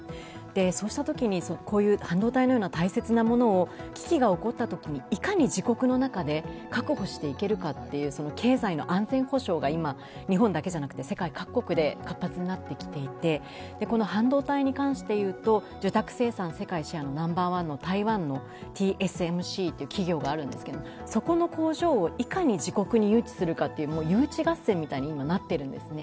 そうしたときに半導体のような大切なものを危機が起こったときにいかに自国の中で確保していけるかというその経済の安全保障が今、日本だけじゃなくて世界各国で活発になってきていて半導体に関して言うと受託生産世界シェアナンバーワンの、台湾のＴＳＭＣという企業があるんですけれども、そこの工場をいかに自国に誘致するかという誘致合戦みたいに今、なっているんですね。